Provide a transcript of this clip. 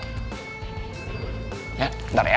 ya bentar ya